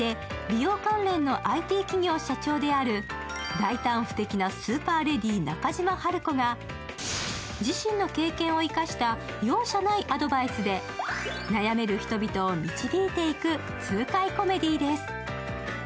大胆不敵なスーパーレディ、中島ハルコが自身の経験を生かした容赦ないアドバイスで悩める人々を導いていく痛快コメディーです。